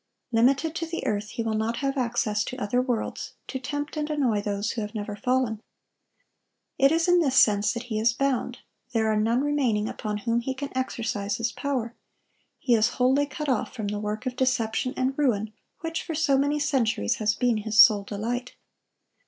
Limited to the earth, he will not have access to other worlds, to tempt and annoy those who have never fallen. It is in this sense that he is bound: there are none remaining, upon whom he can exercise his power. He is wholly cut off from the work of deception and ruin which for so many centuries has been his sole delight.